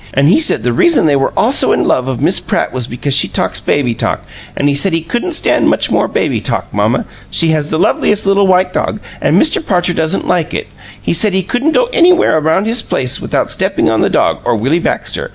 An' he said the reason they were all so in love of Miss Pratt was because she talks baby talk, an' he said he couldn't stand much more baby talk. Mamma, she has the loveliest little white dog, an' Mr. Parcher doesn't like it. He said he couldn't go anywhere around the place without steppin' on the dog or Willie Baxter.